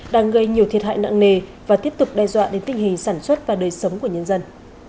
đang gây nhiều thiệt hại nặng nề và tiếp tục đe dọa đến tình hình sản xuất và đời sống của nhân dân